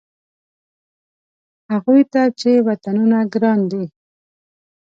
هغوی ته چې وطنونه ګران دي.